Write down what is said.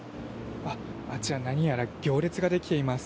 あちら、何やら行列ができています。